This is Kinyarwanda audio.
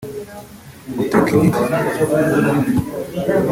gutekinika